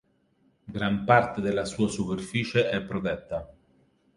Gran parte della sua superficie è protetta.